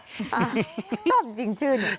ต้องจึงชื่อเนี่ย